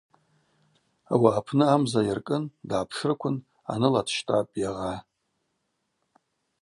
Ауаъапны амза айыркӏын дгӏапшрыквын аныгьи дщтӏапӏ, йагъа.